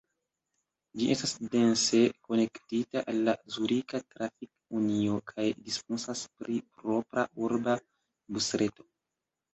Ĝi estas dense konektita al la Zurika Trafik-Unio kaj disponas pri propra urba busreto.